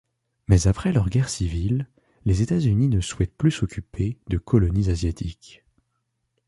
Mais après leur guerre civile, les États-Unis ne souhaitent plus s'occuper de colonies asiatiques.